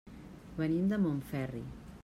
Venim de Montferri.